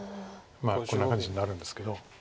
こんな感じになるんですけど。